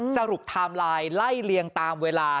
สรุปไทม์ไลน์ไล่เลียงตามเวลา